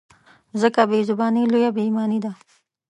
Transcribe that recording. ځکه بې زباني لویه بې ایماني ده.